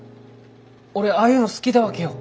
俺ああいうの好きだわけよ。